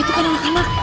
itu kan anak anak